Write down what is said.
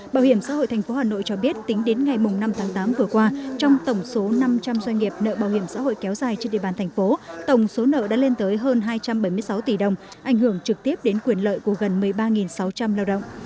bảo hiểm xã hội tp hà nội cho biết tính đến ngày năm tháng tám vừa qua trong tổng số năm trăm linh doanh nghiệp nợ bảo hiểm xã hội kéo dài trên địa bàn thành phố tổng số nợ đã lên tới hơn hai trăm bảy mươi sáu tỷ đồng ảnh hưởng trực tiếp đến quyền lợi của gần một mươi ba sáu trăm linh lao động